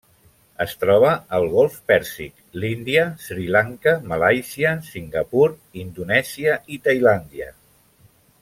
Es troba al golf Pèrsic, l'Índia, Sri Lanka, Malàisia, Singapur, Indonèsia i Tailàndia.